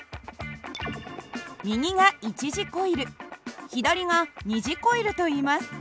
右が一次コイル左が二次コイルといいます。